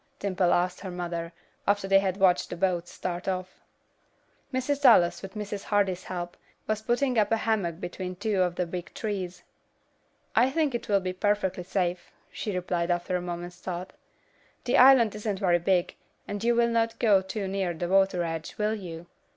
Dimple asked her mother, after they had watched the boats start off. Mrs. Dallas, with Mrs. Hardy's help, was putting up a hammock between two of the big trees. "I think it will be perfectly safe," she replied, after a moment's thought. "The island isn't very big, and you will not go too near the water's edge, will you?